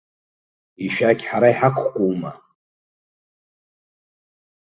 Ишәақь ҳара иҳақәкума?